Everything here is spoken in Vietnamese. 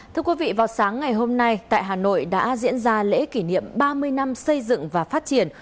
thưa quý vị vào sáng ngày hôm nay tại hà nội đã diễn ra lễ kỷ niệm ba mươi năm xây dựng và phát triển